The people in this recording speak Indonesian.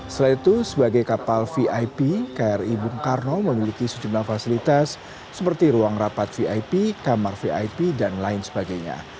selain itu sebagai kapal vip kri bung karno memiliki sejumlah fasilitas seperti ruang rapat vip kamar vip dan lain sebagainya